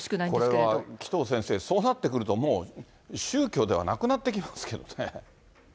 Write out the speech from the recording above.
これは、紀藤先生、そうなってくると、もう宗教ではなくなってきますけどね。